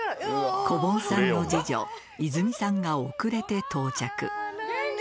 こぼんさんの次女・いづみさんが遅れて到着元気？